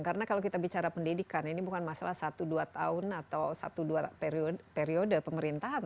karena kalau kita bicara pendidikan ini bukan masalah satu dua tahun atau satu dua periode pemerintahan